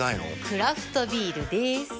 クラフトビールでーす。